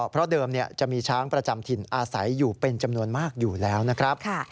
เพราะเดิมจะมีช้างประจำถิ่นอาศัยอยู่เป็นจำนวนมากอยู่แล้วนะครับ